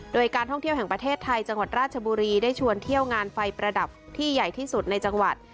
โดยการท่องเที่ยวแห่งประเทศไทยจังหวัดราชบุรีได้ชวนเที่ยวงานไฟประดับที่ใหญ่ที่สุดในจังหวัด